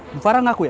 bu farah ngaku ya